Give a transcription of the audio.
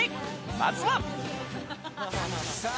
まずは。